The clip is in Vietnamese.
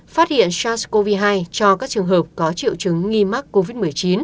phát hiện sars cov hai cho các trường hợp có triệu chứng nghi mắc covid một mươi chín